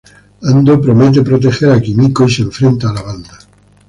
Ando promete proteger a Kimiko y se enfrenta a la banda.